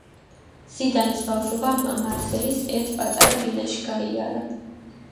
ზიდანის ბავშვობამ მარსელის ერთ პატარა ბინაში გაიარა.